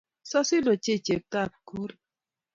Sasin ochei cheptab Kipkori